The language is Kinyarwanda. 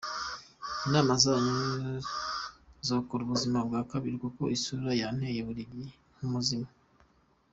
Inama zanyu zarokora ubuzima bwa babiri kuko isura ye intera buri gihe nk’umuzimu .